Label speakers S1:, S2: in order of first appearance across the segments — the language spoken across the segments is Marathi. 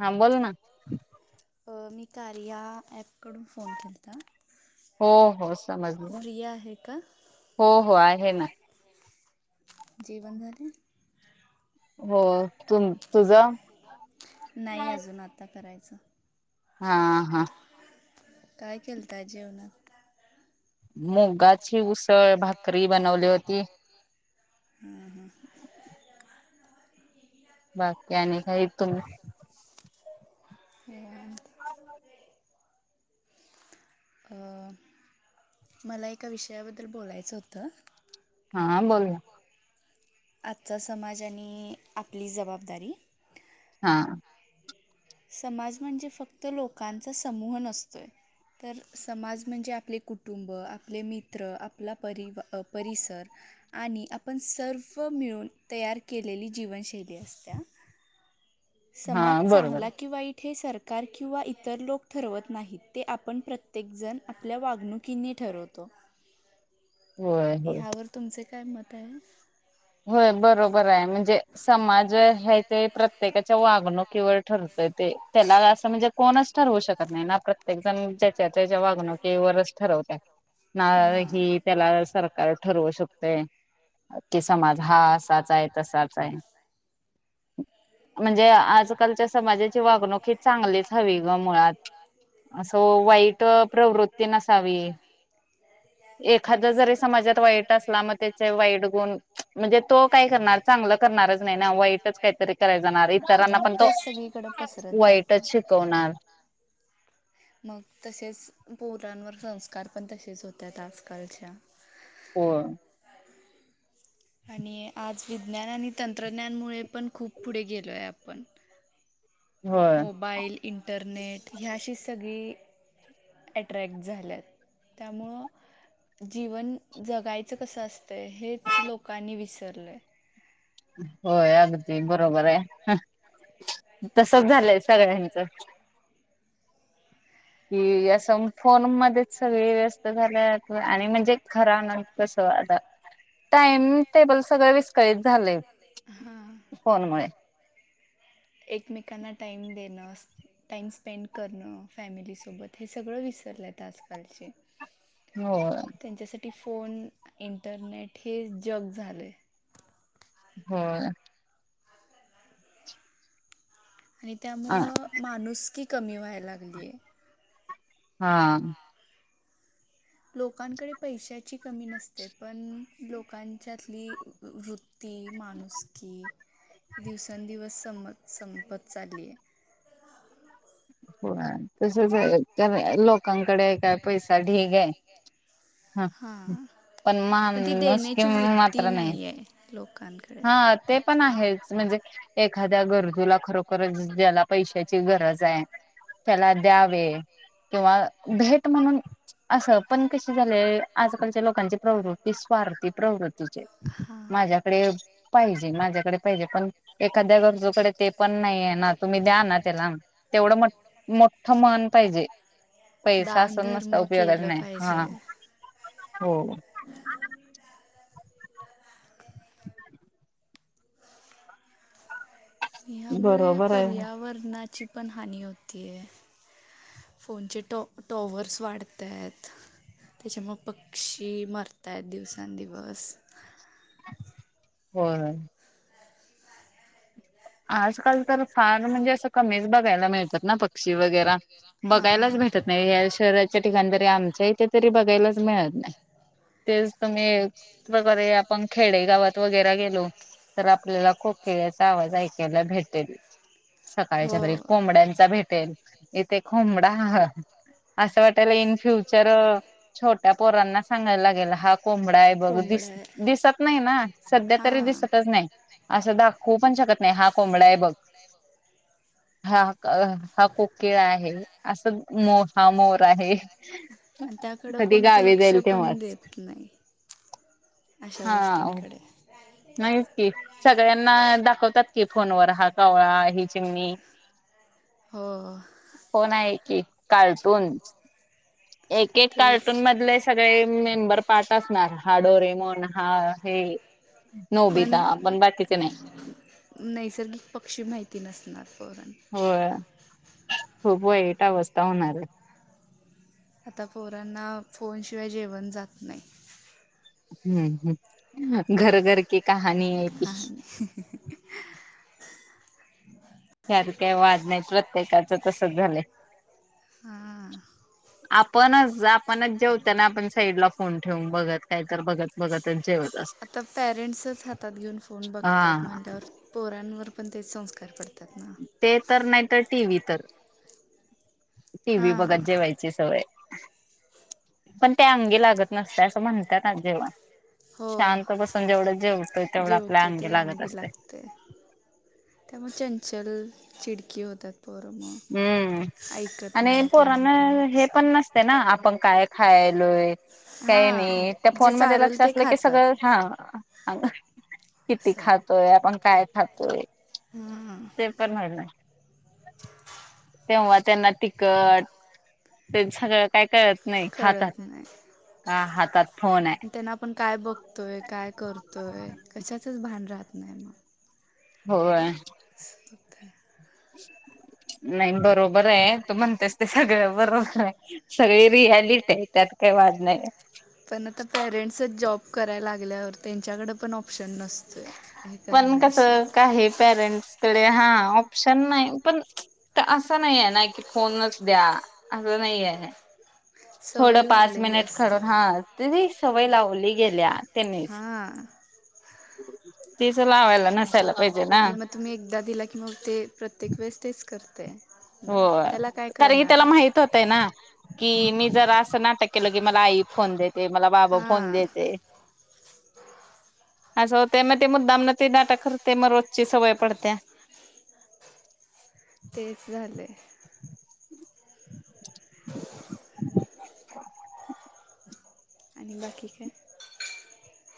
S1: हां बोल ना.
S2: अ मी कार्या ॲपकडून फोन केलता.
S1: हो हो समजलं ना हो हो आहे ना.
S2: जेवण झाले.
S1: हो तुम तुझं. नाही अजून.
S2: आत्ता करायचं.
S1: हा हा.
S2: काय केलता आज जेवणात.
S1: मुगाची उसळ भात भाकरी बनवली
S2: बनवली होती हम्म हम्म
S1: बाकी आणि काही तुम्
S2: ते [unintelligible] अ मला एका विषयाबद्दल बोलायचं होतं
S1: हा बोल ना
S2: आजचा समाजाने आपली जबाबदारी
S1: हा
S2: समाज म्हणजे फक्त लोकांचा समूह नसतोय तर समाज म्हणजे आपले कुटुंब आपले मित्र आपला परिवार आपले परिसर आणि आपण सर्व मिळून तयार केलेली जीवनशैली असत्या [unintelligible] समाज चांगला कि वाईट. सरकार किंवा इतर लोक ठरवत नाहीत ते आपण प्रत्येक जण आपल्या वागणूक किने ठरवतो ह्यावर तुमचे काय मत आहे.
S1: होय बरोबर आहे म्हणजे समाज हे ते प्रत्येकाच्या वागणुकीवर ठरतय ते त्याला असं म्हणजे कोणच ठरवू शकत नाही ना प्रत्येक जण ज्याच्या त्यांच्या वागणुकीवर ठरवत ना ह त्याला सरकार ठरवू शकतय समाज हा असाच आहे तसाच आहे म्हणजे आजकालच्या समाजाची वागणूक ह चांगलीच हवी ग मुळात असं वाईट प्रवृत्ती नसावी. एखादा जरी समाजात वाईट असला मग त्याचे वाईट गुण. म्हणजे तो काय करणार चांगलं करणारच नाही ना वाईटच काहीतरी करायला जाणार. इतरांना पण तो, वाईटच शिकवणार.
S2: मग तसेच पोरांनवर संस्कार तसेच होतात आजकालच्या.
S1: हो.
S2: [inaudible] आणि आज विज्ञान आणि तंत्रज्ञानमुळे पण खूप पुढे गेलोय आपण. मोबाईल इंटरनेट ह्या अशी सगळी ॲट्रॅक्ट झाल्यात, त्यामुळं जीवन जगायचं कसं असतंय हेच लोकांनी विसरलंय.
S1: होय अगदी बरोबर आहे, तसंच झालंय सगळ्यांचं. की यास [unintelligible] फोनमध्येच सगळी व्यस्थ झाल्यात आणि म्हणजे खरा ना कसं आता. टाइम टेबल सगळं विस्कळीत झालंय.
S2: हा.
S1: फोनमुळे.
S2: एकमेकांना टाइम देणं असणे. टाइम स्पेंड करणं फॅमिलीसोबत हे सगळं विसरलेत आजकालचे.
S1: होय.
S2: त्यांच्यासाठी फोन इंटरनेट हे जग झालंय.
S1: होय.
S2: आणि त्यामुळं माणूसकी कमी व्हायला लागली आहे.
S1: हा.
S2: [inaudible] लोकांकडे पैशाची कमी नसते पण लोकांच्यातली वृ ती माणुसकी. दिवसांंदिवस संम, संपत चाललीये.
S1: हो तसच लोकांकडे काय पैसा ढीग आहे.
S2: हा. पण ती देण्याची वृत्ती नाहीये लोकांकडे.
S1: पण आहेच, म्हणजे एखाद्या गरजूला खरोखरच ज्याला पैशाची गरज आहे. त्याला द्यावे किंवा भेट म्हणून असं पण कसं झाले आजकालच्या लोकांची प्रवृत्ती स्वार्थी प्रवृत्ती. माझ्याकडे पाहिजे, माझ्याकडे पाहिजे पण एखाद्या गरजूकडे ते पण नाहीय ना तुम्ही द्या ना त्याला. [unintelligible] मोठं मन पाहिजे पैसा असून नसता उपयोगाच नाही हा. हो.
S2: [unintelligible] ह्यामुळे पर्यावरणाची पण हानी होतीये. फोनचे टॉ-टॉवर्स वाढतायेत. त्याच्यामुळं पक्षी मरतायेत दिवसांंदिवस.
S1: होय.
S2: [inaudible]
S1: आजकाल तर फार म्हणजे असं कमीेच बघायला मिळतात ना पक्षी वगैरा. बघायलाच भेटत नाही या शहराच्या ठिकाणी तरी आमच्या इथे तरी बघायलाच मिळत नाही. तेच तुम्ही वगैरे आपण खेडे गावात वगैरे गेलो तर आपल्याला कोकीळा च आवाज ऐकायला भेटेल सकाळच्या परी, कोंबड्यांचा भेटेल इथे कोंबडा असं वाटायलय इन फ्युचर छोट्या पोरांना सांगायला लागेला हा कोंबडाय बघ दिस दिसत नाही ना सध्या तरी दिसतच नाही. असं दाखवू पण शकत नाही हा कोंबडाय बघ. हा हा कोकीळा आहे असं. मो हा मोर आहे कधी गावी जाईल तेव्हाच.
S2: अशा गोष्टींकडे.
S1: तेच की सगळ्यांना दाखवतात की फोनवर हा कावळा, ही चिमणी.
S2: हो.
S1: फोन आहे की कार्टून. एक एक कार्टून मधले सगळे मेंबर पार्ट असणार हा डोरेमॉन हा हे. नोबीता पण बाकीच नाही.
S2: नैसर्गिक पक्षी माहिती नसणार पोरांना.
S1: हो खूप वाईट अवस्था होणारय.
S2: आता पोरांना फोनशिवाय जेवण जात नाही.
S1: हम्म हम्म घर घर की क कहानीय ती.
S2: [inaudible]
S1: ह्यात काय वाद नाही प्रत्येकाच तसच झालंय.
S2: हां.
S1: आपणच आपणच जेवताना आपण साईडला फोन ठेवून बघत कायतर बघत बघतच जेवत असत.
S2: आता पेरेंट्सच हातात घेऊन फोन बघतात म्हणल्यावर पोरांवर पण तेच संस्कार पडतात ना.
S1: ते तर नाहीतर टीव्ही तर, टीव्ही बघत जेवायची ची सवय पण त्या अंगी लागत नसतय असं म्हणतात ना जेवण. शांत बसून जेवढं जेवतोय तेवढं आपल्या अंगी लागत असतय.
S2: त्यामुळे चंचल, चिडकी होतात पोर मग.
S1: हम्म आणि पोरांना हे पण नसतय ना आपण काय खायलोय, काय नाही त्या फोन मध्ये लक्ष असलं की सगळं हा. किती खातोय, आपण काय खातोय ते कळणार नाही.
S2: [inaudible]
S1: तेव्हा त्यांना तिकट ते सगळं काय कळत नाही खातात, का हातात फोनय.
S2: पण काय बघतोय, काय करतोय, कशाचच भान राहत नाही मग.
S1: होय.
S2: अस होतय.
S1: नाही बरोब बरंय तू म्हणतेस ते सगळं बरोबरय, सगळी रियालिटी आहे त्यात काही वाद नाही.
S2: पण आता पेरेंट्सच जॉब कराय लागल्यावर त्यांच्याकड पण ऑप्शन नस
S1: पण कस काही पॅरेंट्सकडे हा ऑप्शन नाही पण तर असं नाहीये ना की फोनच द्या असं नाही आहे. थोड पाच मिनिट काढून हा ती सवय लावली गेल्या त्यांनीच. तिच लावायला नसायला पाहिजे ना.
S2: तुम्ही एकदा दिला की मग ते प्रत्येक वेळी तेच करते.
S1: होय कारण की त्याला माहित होतय ना, की मी जरा असं नाटक केलं की मला आई फोन देईल. ते मला बाबा फोन देते. अस होतय मग ते मुद्दामन ते नाटक करते, मग रोजची सवय पडत्या.
S2: तेच झालय. आणि बाकी.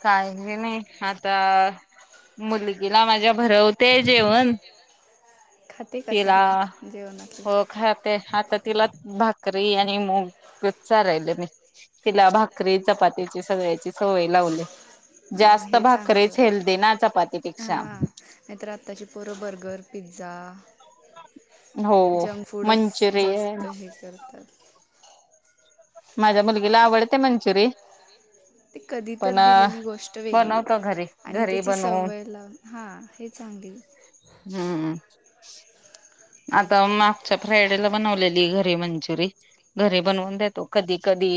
S1: काही नाही आता, मुलगीला माझ्या भरवते जेवण. तिला हो खाते, आता तिला भाकरी आणि मूग तेच चारालो. मी तिला भाकरी, चपातीची सगळ्याची सवय लावली. जास्त भाकरीेच हेल्दी ना चपातीपेक्षा.
S2: नाहीतर आत्ताची पोरं बर्गर, पिझ्झा. जंक फूडच जास्त हे करतात.
S1: माझ्या मुलगीला आवडते मंचुरी.
S2: ते कधी तर दिलेली गोष्ट वेगळी, आणि त्याची सवय लाव हां हे चांगले.
S1: हम्म. आता मागच्या फ्रायडेला बनवलेली, घरी मंचुरी. घरी बनवून देतो, कधी कधी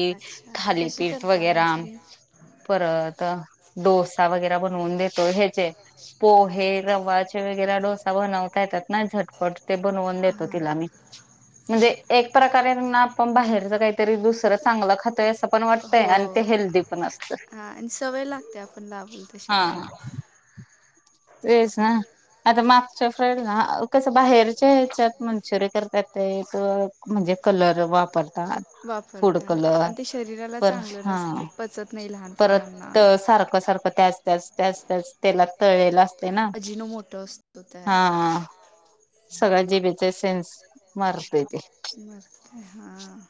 S1: थालीपीठ वगैरा. परत डोसा वगैरे बनवून देतोय, ह्याचे पोहे, रवाचे वगैरेचे डोसा बनवता येतात ना झटपट. ते बनवून देतो तिला मी. म्हणजे एक प्रकारे ना, आपण बाहेरच काहीतरी दुसरं चांगलं खातोय.
S2: हो, आणि सवय लागते आपण लावल तशी त्यांना. [unintelligible]
S1: आता मागच्या फ्रायडे ला, कसं बाहेरच्या ह्याच्यात मंचुरी करतात ते एक म्हणजे कलर वापरतात.
S2: वापरतात आणि ते शरीराला चांगलं नसतय. पचत नाही लहान पोरांना.
S1: त सारखं-सारखं, त्याच-त्याच, त्याच-त्याच तेलात तळलेल असते ना.
S2: वस्तु तयार
S1: सगळ्या जीभेचे सेन्स मारतय.
S2: मरतय, हां.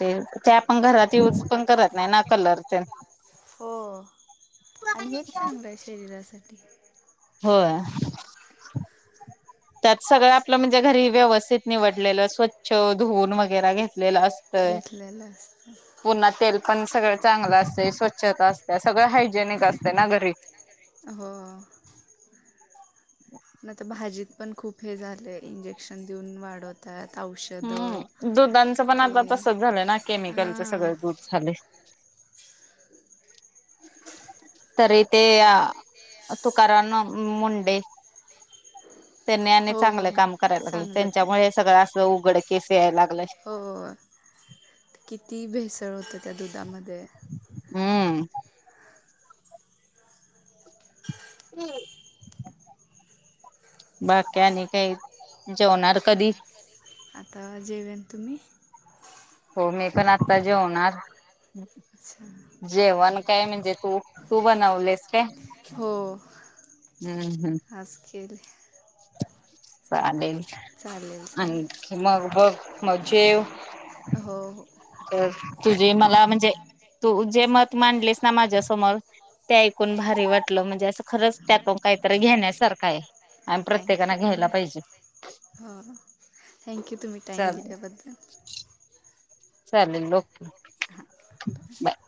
S1: ते ते आपण घरात युज पण करत नाही ना कलर.
S2: हो आणि हेच चांगलंय शरीरासाठी.
S1: होय. त्यात सगळं आपलं म्हणजे घरी व्यवस्थित निवडलेलं, स्वच्छ धुवून वगैरा घेतलेलं.
S2: घेतलेल असत.
S1: पुन्हा तेल पण सगळं चांगलं असतय. स्वच्छता असत्या, सगळं हायजेनिक असते ना घरी.
S2: हो.
S1: [inaudible]
S2: नाही तर भाजीत पण खूप हे झालंय, इंजेक्शन देऊन वाढवत. त्यात औषध
S1: हम्म दुधांचं पण आता तसच झालं ना, केमिकलच सगळे दूध झाले. तरी ते तुकाराम मुंडे त्यांनी आणि चांगलं काम करायला लागलं. त्यांच्यामुळे सगळं अस उघड केस यायला लागलं.
S2: हो, किती भेसळ होतं त्या दुधामध्ये?
S1: हम्म, बाक्या आणि काही जेवणार कधी?
S2: कणिक आता जेव्यात तुम्ही?
S1: हो. मी पण आत्ता जेवणार.
S2: अच्छा.
S1: जेवण काय म्हणजे तू, तू बनवले.
S2: हो. आज केेले.
S1: चालेल. आणखी मग बग म जेव. तर तुझे मला म्हणजे, तू जे मत मांडलेस ना, माझ्यासमोर ते ऐकून भारी वाटलं. म्हणजे असं खरंच त्यातून काहीतरी घेण्यासारखं आहे. आन प्रत्येकाना घ्यायला पाहिजे. चालते. [inaudible]
S2: [unintelligible]